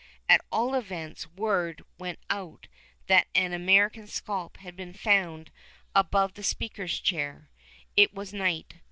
At all events, word went out that an American scalp had been found above the Speaker's chair. It was night.